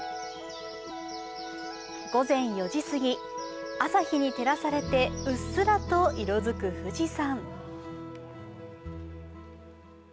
午前４時すぎ、朝日に照らされてうっすらと色づく富士山。